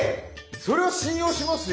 それは信用しますよ。